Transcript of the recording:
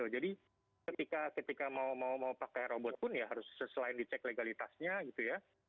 jadi ketika mau pakai robot pun ya harus selain dicek legalitasnya gitu ya